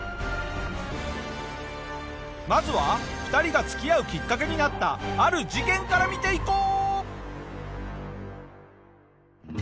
まずは２人が付き合うきっかけになったある事件から見ていこう。